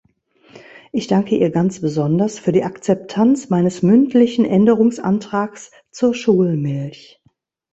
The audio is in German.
Ich danke ihr ganz besonders für die Akzeptanz meines mündlichen Änderungsantrags zur Schulmilch.